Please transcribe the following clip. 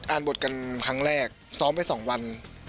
อ่านบทครั้งแรกซ้อมไป๒วัน